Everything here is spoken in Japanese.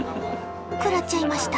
食らっちゃいました。